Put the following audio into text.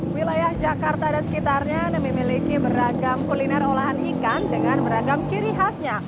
wilayah jakarta dan sekitarnya memiliki beragam kuliner olahan ikan dengan beragam ciri khasnya